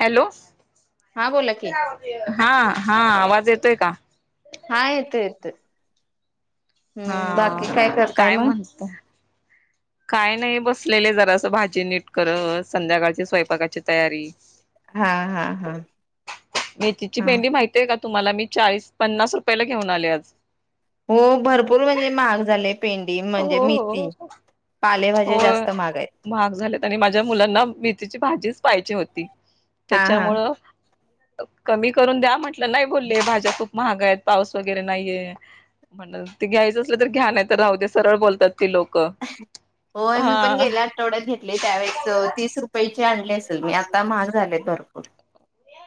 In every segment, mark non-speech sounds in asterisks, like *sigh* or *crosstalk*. Hello, हा बोला की हा-हा आवाज येतोय का? हा येत-येत, हम्म, बाकी काय हा करताय मग. म्हणत काय नाही, बसलेले जरा असं भाजी नीट करत, संध्याकाळची स्वयंपाकाची तयारी. हा हा हा मेथीची हा पेंडी माहिती तेका तुम्हाला, मी चाळीस, पन्नास रुपयाला घेऊन आले आज. हो, भरपूर म्हणजे महाग झाले. पेंडी म्हणजे हो मेथी, हो हो पालेभाज्या जास्त महागाय आहेत. महाग झालेत, आणि माझ्या मुलांना मेथीची भाजीच पाहिजेच होती, हा हा त्याच्यामुळ कमी करून द्या म्हंटलं, नाही बोलले भाजप खूप महाग आहेत, पाऊस वगैरे नाहीये, म्हण ते घ्यायचं असलं तर घ्या नाही तर राहू दे सरळ बोलतात. ती लोक, होय मी पण हा. गेल्या आठवड्यात घेतली, त्यावेळेस तीस रुपयाेची आणली असेल मी, आता महाग झालेत भरपूर.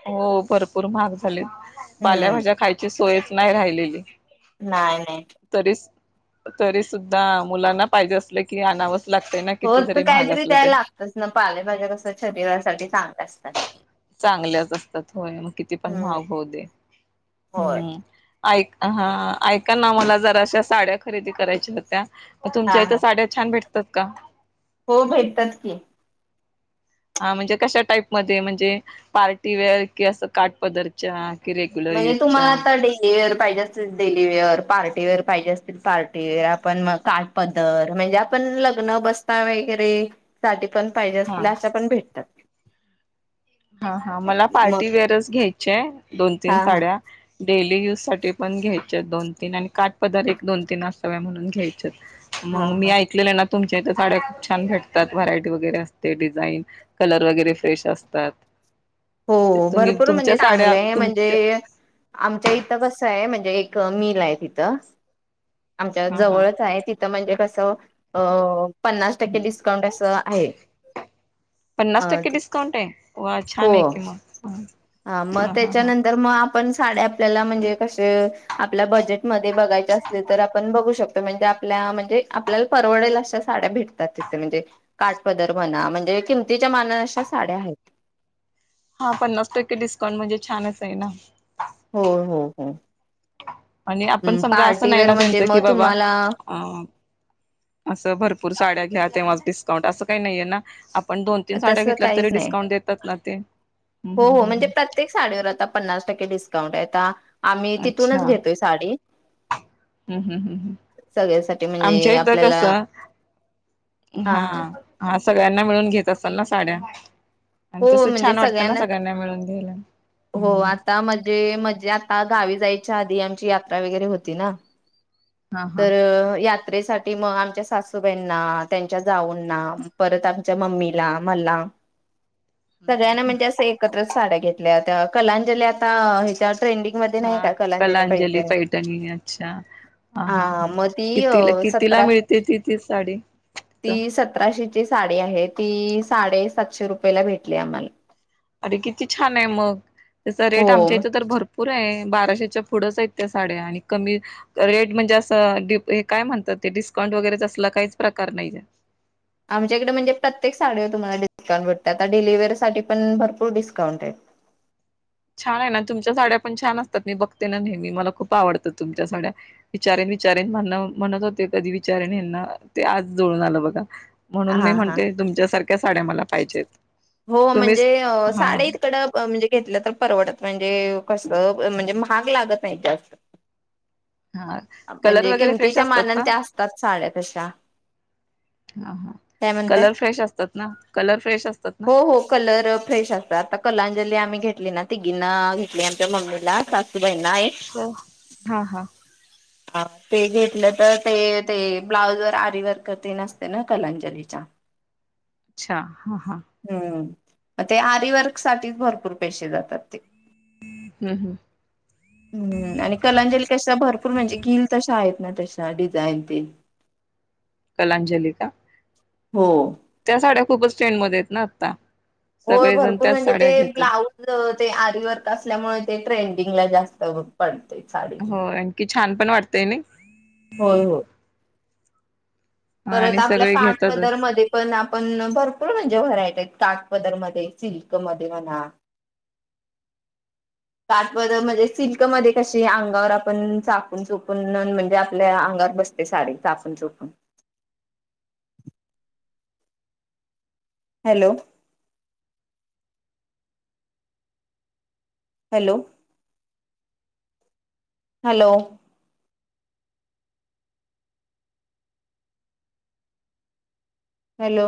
हो भरपूर महाग झाली, हम्म पाल्याभाज्या खायची सोयच नाही राहिलेली. नाही-नाही तरी, तरी सुद्धा मुलांना पाहिजे असलं की अनावच लागतय ना किती जरी महाग असलं तर. तस ना पालेभाज्या कस शरीरासाठी चांगल्या असतात. चांगल्याच असतात होय, मग किती पण हम्म मग होऊ दे, होय हम्म. ऐक, हा, ऐका ना मला जरा अशा साड्या खरेदी करायच्या होत्या, हा तुमच्या हा इथं साड्या छान भेटतात का? हो भेटतात की. हा म्हणजे कशा टाईप मध्ये म्हणजे, पार्टीवेअर, कि असं काट पधर. च्या कि रेग्युलर म्हणजे युज तुम्हाला चा. आता डेलीवेअर पाहिजे असतील डेलीवेअर, पार्टीवेअर पाहिजे असतील पार्टीवेअर, आपण मग का पदर, म्हणजे आपण लग्न बसता वगैरे. साठी पण पाहिजे हा असलेल्या अशा पण भेटतात. हा-हा मला मग पार्टीवेअर घ्यायचेय दोन, तीन हा हा साड्या. डेली यूज साठी पण घ्यायच्या दोन, तीन आणि काट पदार दोन, तीन असताव्या म्हणून घ्यायचेत. हा मग मी हा. ऐकलेलं आहे ना. तुमच्या इथं साड्या खूप छान भेटतात व्हरायटी वगैरे असते डिझाईन कलर वगैरे फ्रेश असतात हो तुम्ही भरपूर तुमच्या म्हणजे साड्या चांगलंय म्हणजे तुमच्या आमच्या इथं कसं आहे म्हणजे एक मिल आहे तिथं आमच्या हा हा जवळच आहे तिथं म्हणजे कसं अ पन्नास टक्के डिस्काउंट असं आहे अ पन्नास टक्के डिस्काउंट आहे वा हो छान आहे कि मग हा मग हा हा त्याच्यानंतर मग आपण साड्या आपल्याला म्हणजे कसे आपल्या बजेट मध्ये बघायचे असले तर आपण बघू शकतो म्हणजे आपल्या म्हणजे आपल्याला परवडेल अशा साड्या भेटतात तिथे म्हणजे काठ पदर म्हणा म्हणजे किमतीच्या मानान अशा साड्या आहेत हा पन्नास टक्के डिस्काउंट म्हणजे छानच आहे ना हो हो हो आणि आपण समजा असं नाही पार्टीवेअर ना म्हणजे त्यांचं की मग बाबा तुम्हाला अ असं भरपूर साड्या घ्या तेव्हा डिस्काउंट असं काही नाहीये ना आप पण दोन-तीन साड्या तसं घेतल्या काहीच तरी नाही. डिस्काउंट देतात ना ते हो हो म्हणजे प्रत्येक साडीवर आता पन्नास टक्के डिस्काउंट आहे आता आम्ही हम्म तिथूनच अच्छा घेतोय हम्म साडी हम्म हम् हम् हम् सगळ्यासाठी आमच्या म्हणजे इथ आपल्याला कसं हा हा सगळ्यांना मिळून घेत असेल ना साड्या आणि हो तस म्हणजे छान वाटतं ना सगळ्यांनाच सगळ्यांना मिळून घ्यायला हो हम्म आता म्हणजे मध्ये आता गावी जायच्या आधी आमची यात्रा वगैरे होती ना हा हा तर यात त्रेसाठी मग आमच्या सासूबाईंना, त्यांच्या जाऊंना परत आमच्या मम्मीला मला *inaudible* सगळ्यांना म्हणजे असं एकत्रच साड्या घेतल्या होत्या कलांजली आता ह्याच्या ट्रेंडिंग मध्ये नाही का कलांजली पैठणी त्यांनी अच्छा हा हा हा मग ती कितीला कितीला सतरा मिळते ती ती साडी तिथं ती सतराशेची साडी आहे ती, साडेसातशे रुपयेला भेटली आम्हाला. अरे किती छान आहे मग, त्याचा हो रेट आमच्या इथं तर भर पुर हाय बाराशेच्या पुढंच आहेत त्या साड्या आणि कमी रेट म्हणजे असं, काय म्हणतात ते, डिस्काउंट वगैरेच असलं काहीच प्रकार नाही. आमच्या हिकडं म्हणजे प्रत्येक साडीवर तुम्हाला डिस्काउंट भेटतोय, आता डेली वेअर साठी पण भरपूर डिस्काउंट आहे. छान आहे ना, तुमच्या साड्या पण छान असतात, मी बघते ना नेहमी, मला खूप आवडतात तुमच्या साड्या. विचारेन विचारेन म्हणत होते, कधी विचारेन हेंना ते आज जुळून आलं बघा. म्हणून मी हा हा म्हणते, तुमच्यासारख्या साड्या मला पाहिजेत. हो म्हणजे, तुम्हीच हा साडी तिकडं म्हणजे घेतलं तर परवडत म्हणजे कस म्हणजे महाग लागत नाही जास्त हा कलर म्हणजे वगैरे फ्रेश किमतीच्या असतात मानान ना त्या असतात साड्या तशा. हा हा, काय म्हणताय कलर फ्रेश असतात ना, कलर फ्रेश असतात. ना हो हो कलर फ्रेश असतात, आता कलांजली आम्ही घेतली ना, तिघींना घेतली आमच्या मम्मीला सासु बाईंना एक. होय हा हा. ते घेतलं तर ते ते ब्लाउज वर आरी वर्क तेन असतय ना कलांजलीच्या. अच्छा हा हा. हम्म ते आरीवर्क साठीच भरपूर पैसे जातात ते. हम्म हम्म हम्म आणि कलांजली कशा भरपूर म्हणजे घील तशा आहेत ना तशा डिझाईन तेन. कलांजली का? हो, त्या साड्या खूपच ट्रेंड मध्ये आहेत ना आता. होय सगळेजण भरपूर त्याच म्हणजे ते साड्या घेतात ब्लाऊजऽ ते आरी वर्क असल्यामुळे ते ट्रेंडिंगला जास्त पडतय साडी. की छान पण वाटतंय नाही? होय होय. परत आणि आपल्या सगळे घेतातच काटपदरमध्येऽ पण आपण भरपूर म्हणजे व्हरायटी आहेत, कागपदरमध्ये, सिल्कमध्ये म्हणा. काठ पदर म्हणजे सिल्कमध्ये कशी, अंगावर आपण चापुन चोपुन म्हणजे, आपल्या अंगावर बसऽ ते साडी चापून- चोपून. Hello, hello, hello, hello,